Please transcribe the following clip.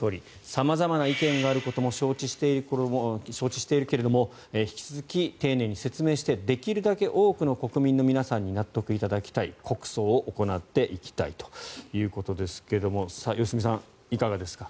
様々な意見があることも承知しているけれど引き続き丁寧に説明してできるだけ多くの国民の皆さんに納得いただきたい国葬を行っていただきたいということですが良純さんいかがですか。